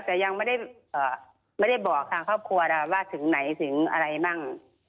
แต่ยังไม่ได้บอกทางครอบครัวนะว่าถึงไหนถึงอะไรมั่ง